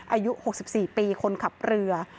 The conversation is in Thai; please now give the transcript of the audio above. อายุ๖๔ปีคนขับเรือ